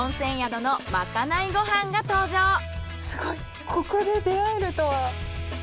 すごいここで出会えるとは。